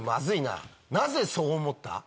なぜそう思った？